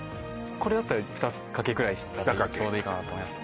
これだったら２かけくらいしたら２かけちょうどいいかなと思います